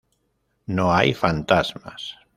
No hay fantasmas.